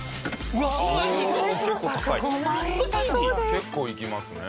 結構いきますね。